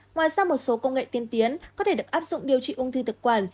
ngoài ra một số công nghệ tiên tiến có thể được áp dụng điều trị ung thư thực quản